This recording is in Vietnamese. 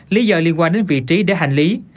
lý do liên quan đến vị trí để hành lý